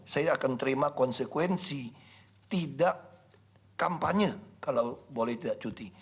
saya akan terima konsekuensi tidak kampanye kalau boleh tidak cuti